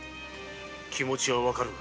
気持ちはわかるが。